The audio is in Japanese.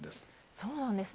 そうなんですね。